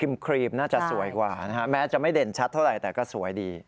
ครีมน่าจะสวยกว่านะฮะแม้จะไม่เด่นชัดเท่าไหร่แต่ก็สวยดี